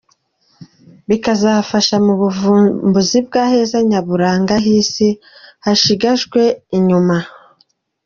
Bikazafasha mu buvumbuzi bw’aheza nyaburanga h’isi hashigajwe inyuma.